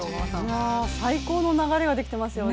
いや最高の流れができてますよね